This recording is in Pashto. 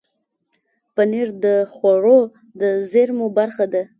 پنېر د خوړو د زېرمو برخه ده.